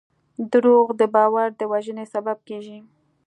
دروغ د باور د وژنې سبب کېږي.